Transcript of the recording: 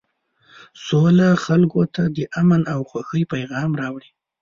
سوله خلکو ته د امن او خوښۍ پیغام راوړي.